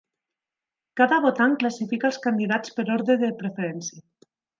Cada votant classifica els candidats per ordre de preferència.